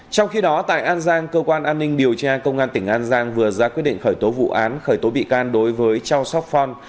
trong khi đó tại an giang cơ quan an ninh điều tra công an tỉnh an giang vừa ra quyết định khởi tố vụ án khởi tố bị can đối với châu sóc phong